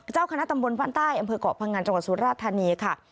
เจ้าคณะตำบลบ้านใต้อำเภอกเกาะพังงันจังหวัดสุราธานีค่ะ